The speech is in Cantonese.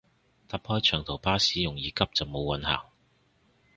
搭開長途巴士容易急就冇運行